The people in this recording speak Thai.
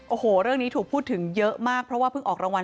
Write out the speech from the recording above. โอ้โหเรื่องนี้ถูกพูดถึงเยอะมากเพราะว่าเพิ่งออกรางวัล